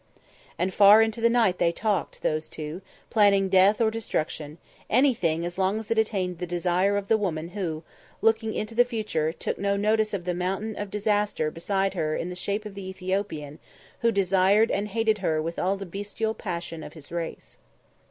And far into the night they talked, those two, planning death or destruction, anything as long as it attained the desire of the woman who, looking into the future, took no notice of the mountain of disaster beside her in the shape of the Ethiopian who desired and hated her with all the bestial passion of his race.